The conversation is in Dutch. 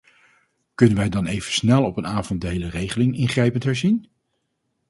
Kunnen wij dan even snel op een avond de hele regeling ingrijpend herzien?